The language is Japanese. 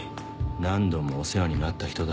何度もお世話になった人だ。